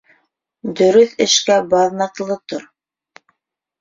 Дөрөҫ эшкә баҙнатлы тор.